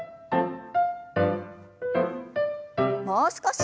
もう少し。